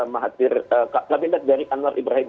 saya juga sangat menunggu laporan resmi dari anwar ibrahim